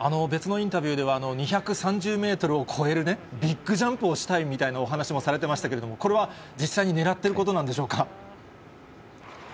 別のインタビューでは、２３０メートルを超えるね、ビッグジャンプをしたいみたいなお話もされてましたけれども、これは実際にねらってることなんでしょうか。